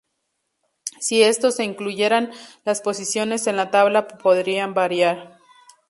Si estos se incluyeran, las posiciones en la tabla podrían variar.